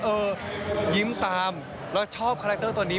คนดูแล้วบอกว่ายิ้มตามแล้วชอบคาแรคเตอร์ตัวนี้